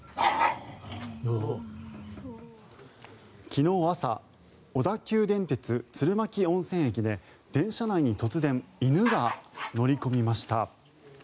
昨日朝小田急電鉄鶴巻温泉駅で電車内に突然、犬が乗り込みました。